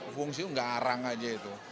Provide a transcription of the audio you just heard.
fungsi itu tidak arang saja itu